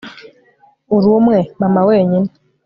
uri umwe, mama wenyine